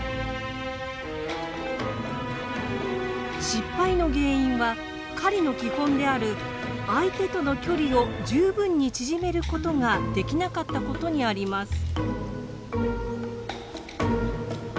失敗の原因は狩りの基本である相手との距離を十分に縮めることができなかったことにあります。